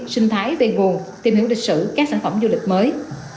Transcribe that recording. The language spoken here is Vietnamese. sinh thái về nguồn tìm hiểu lịch sử các sản phẩm du lịch mới